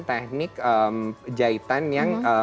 teknik jahitan yang